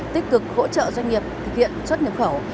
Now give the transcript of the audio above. tích cực hỗ trợ doanh nghiệp thực hiện xuất nhập khẩu